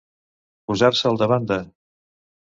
Posar-se al davant de.